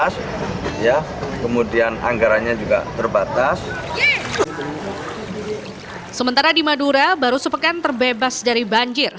sementara di madura baru sepekan terbebas dari banjir